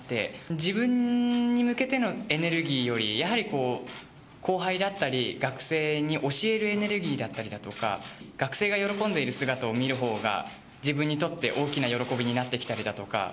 自分に向けてのエネルギーより、やはり、後輩だったり学生に教えるエネルギーだったりだとか、学生が喜んでいる姿を見るほうが、自分にとって大きな喜びになってきたりだとか。